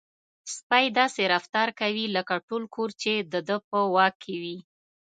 سپی داسې رفتار کوي لکه ټول کور چې د ده په واک کې وي.